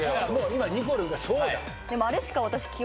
今にこるんがそうだ！